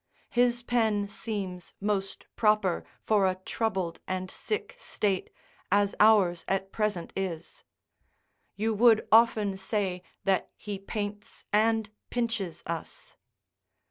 His pen seems most proper for a troubled and sick state, as ours at present is; you would often say that he paints and pinches us.